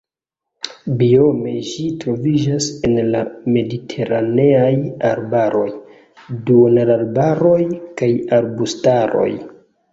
Biome ĝi troviĝas en la mediteraneaj arbaroj, duonarbaroj kaj arbustaroj.